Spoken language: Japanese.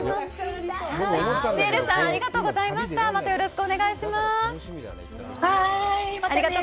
シエルさん、ありがとうございました。